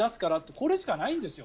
これしかないんですよ